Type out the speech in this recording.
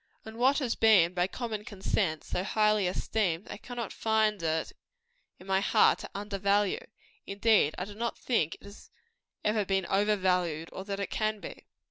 And what has been, by common consent, so highly esteemed, I cannot find it in my heart to under value. Indeed, I do not think it has ever been over valued, or that it can be.